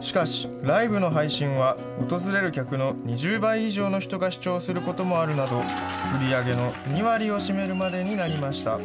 しかし、ライブの配信は訪れる客の２０倍以上の人が視聴することもあるなど、売り上げの２割を占めるまでになりました。